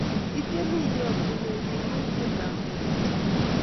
Itieni iyoo, tugenyi kou tiendop toritik